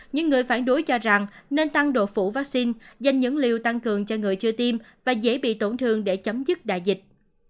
những người phản đối cho rằng nên tăng độ phủ vaccine dành những liều tăng cường cho người chưa tiêm và dễ bị tổn thương để chấm dứt đại dịch